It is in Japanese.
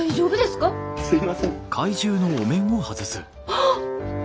あっ。